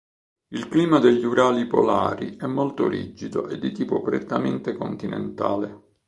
Il clima degli Urali polari è molto rigido e di tipo prettamente continentale.